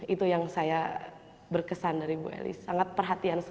itu yang saya berkesan dari bu elis sangat perhatian sekali